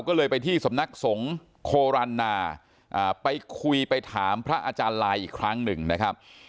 ก็เลยไปที่สำนักสงฆ์โครันนาไปคุยไปถามพระอาจารย์ลายอีกครั้งหนึ่งนะครับ